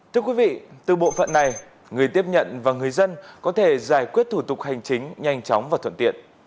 thưa quý vị từ bộ phận này người tiếp nhận và người dân có thể giải quyết thủ tục hành chính nhanh chóng và thuận tiện